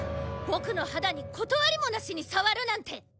ボクの肌に断りもなしに触るなんて！